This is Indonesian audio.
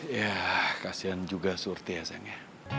yah kasihan juga surti ya sayangnya